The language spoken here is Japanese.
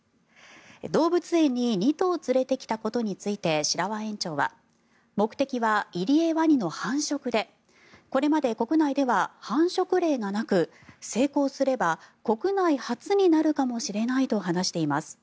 動物園に２頭連れてきたことについて白輪園長は目的はイリエワニの繁殖でこれまで国内では繁殖例がなく成功すれば国内初になるかもしれないと話しています。